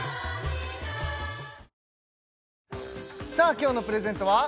今日のプレゼントは？